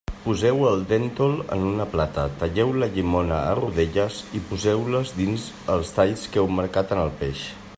Poseu el déntol en una plata, talleu la llimona a rodelles i poseu-les dins els talls que heu marcat en el peix.